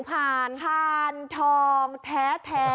พาลทองแท้